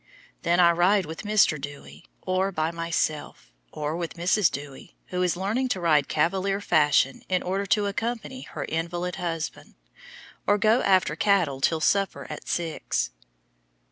Then I ride with Mr. Dewy, or by myself, or with Mrs. Dewy, who is learning to ride cavalier fashion in order to accompany her invalid husband, or go after cattle till supper at six.